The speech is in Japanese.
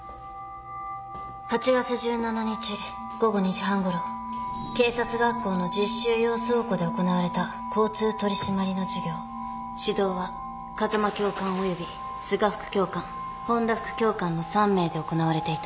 「８月１７日午後２時半ごろ警察学校の実習用倉庫で行われた交通取締りの授業指導は風間教官および須賀副教官本田副教官の３名で行われていた」